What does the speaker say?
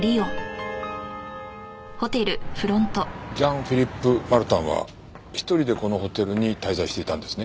ジャン・フィリップ・マルタンは１人でこのホテルに滞在していたんですね？